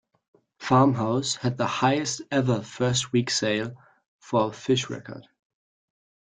"Farmhouse" had the highest-ever first week sales for a Phish record.